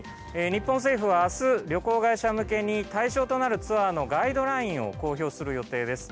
日本政府はあす旅行会社向けに対象となるツアーのガイドラインを公表する予定です。